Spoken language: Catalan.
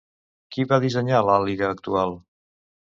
Qui va dissenyar l'Àliga actual?